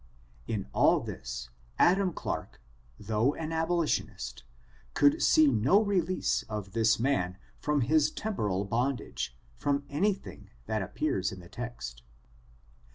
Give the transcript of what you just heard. In all this, Adam Clarke, though an abolitionist, could see no release of this man from his temporal bondage, from anything that appears in the text.